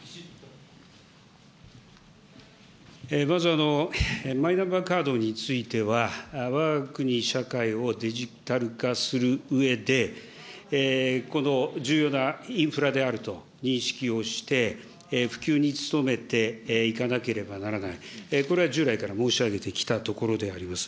まず、マイナンバーカードについては、わが国社会をデジタル化するうえで、重要なインフラであると認識をして、普及に努めていかなければならない、これは従来から申し上げてきたところであります。